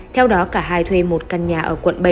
theo đó cả hai thuê một căn nhà ở quận bảy